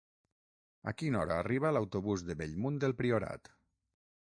A quina hora arriba l'autobús de Bellmunt del Priorat?